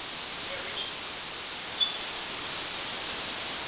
"There is nothing, your majesty," he said.